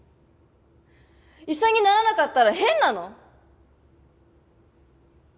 医者にならなかったら変なの？